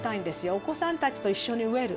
お子さんたちと一緒に植える。